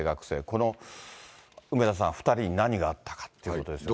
この梅沢さん、２人に何があったかっていうことですよね。